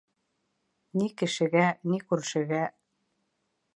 Ни кешегә, ни күршегә.